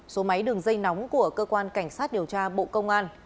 số máy đường dây nóng của cơ quan cảnh sát điều tra bộ công an